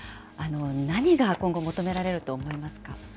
何が今後、求められると思いますか。